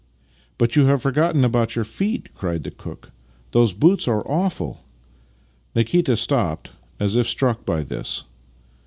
" But you have forgotten about your feet," cried the cook. " Those boots are awful." Nikita stopped as if struck by this.